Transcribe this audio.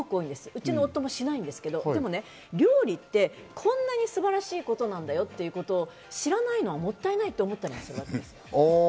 うちの夫もしないんですけど、でも料理ってこんなに素晴らしいことなんだよっていうことを知らないのはもったいないと思ってるんです。